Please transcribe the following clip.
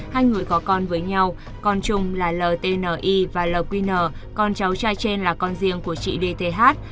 hai người có con với nhau con chung là lti và lqn con cháu trai trên là con riêng của chị dth